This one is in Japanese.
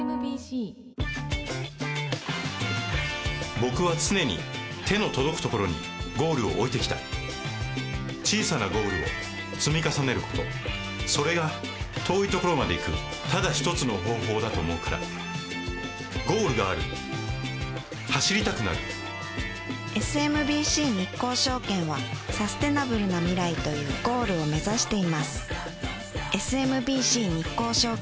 僕は常に手の届くところにゴールを置いてきた小さなゴールを積み重ねることそれが遠いところまで行くただ一つの方法だと思うからゴールがある走りたくなるＳＭＢＣ日興証券はサステナブルな未来というゴールを目指していますＳＭＢＣ日興証券